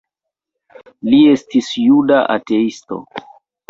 Li estis juda ateisto.